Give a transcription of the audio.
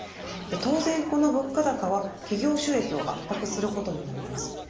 当然この物価高は企業収益を圧迫することになります。